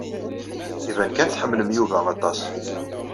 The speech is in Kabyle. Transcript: Iban kan tḥemmlem Yuba aṭas.